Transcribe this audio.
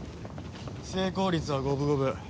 成功率は五分五分。